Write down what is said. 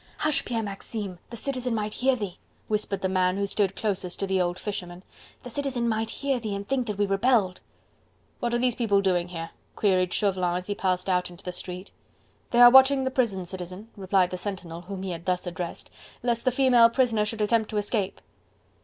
"Hush, Pierre Maxine!... the Citizen might hear thee," whispered the man who stood closest to the old fisherman; "the Citizen might hear thee, and think that we rebelled...." "What are these people doing here?' queried Chauvelin as he passed out into the street. "They are watching the prison, Citizen," replied the sentinel, whom he had thus addressed, "lest the female prisoner should attempt to escape."